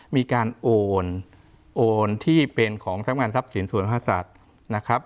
มีการโอนโอนที่เป็นของทรัพย์งานทรัพย์สินส่วนพระศัตริย์นะครับ